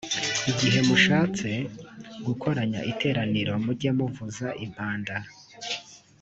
igihe mushatse gukoranya iteraniro mujye muvuza impanda